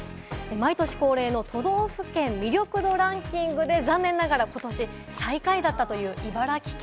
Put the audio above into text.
毎年恒例の都道府県魅力度ランキングで残念ながら、ことし最下位だったという茨城県。